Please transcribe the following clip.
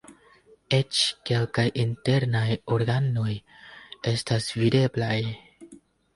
Eĉ kelkaj internaj organoj estas videblaj.